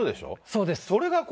そうです。